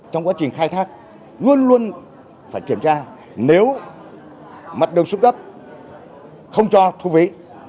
trong quá trình khai thác luôn luôn phải kiểm tra nếu mặt đường xuống cấp không cho thu phí